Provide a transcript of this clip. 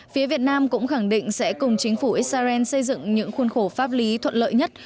phía việt nam cũng khẳng định sẽ cùng chính phủ israel xây dựng những khuôn khổ pháp lý thuận lợi nhất